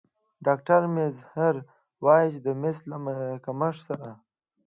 ډاکتر میزهر وايي د مس له کمښت سره